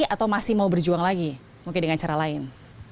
atau masih mau berjuang lagi mungkin dengan cara lain